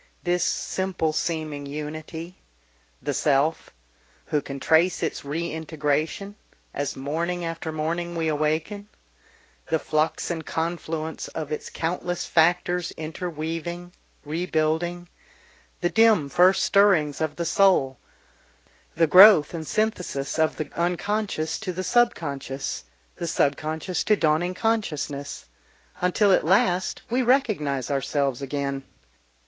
this simple seeming unity the self! Who can trace its reintegration as morning after morning we awaken, the flux and confluence of its countless factors interweaving, rebuilding, the dim first stirrings of the soul, the growth and synthesis of the unconscious to the subconscious, the subconscious to dawning consciousness, until at last we recognise ourselves again.